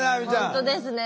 本当ですね